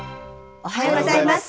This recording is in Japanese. おはようございます。